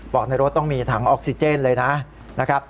ในรถต้องมีถังออกซิเจนเลยนะครับ